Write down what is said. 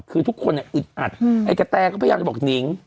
คือทุกคนอึดอัดไอ้กะแตก็พยายามจะบอกนิง